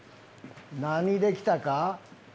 何できたか？